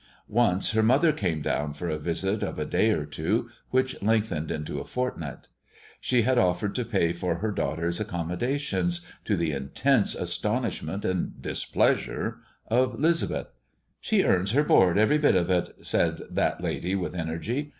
Once her mother came down for a visit of a day or two, which lengthened into a fortnight. She had offered to pay for her daughter's accommodations, to the intense astonishment and displeasure of 'Lisbeth. "She earns her board, every bit of it," said that lady with energy.